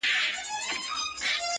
محلونه په جرگو کي را ايسار دي,